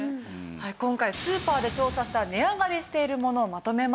今回スーパーで調査した値上がりしているものをまとめました。